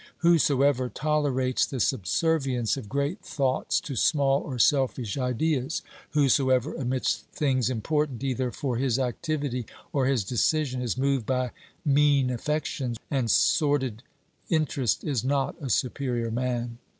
Whosoever tolerates the subservience of great thoughts to small or selfish ideas ; whosoever, amidst things important either for his activity or his decision, is moved by mean affections and sordid interests, is not a superior man.